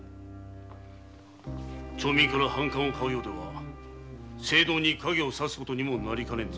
町民の反感をかうようでは政道に影をさすことにもなりかねんぞ。